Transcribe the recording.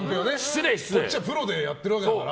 こっちはプロでやっているわけだから。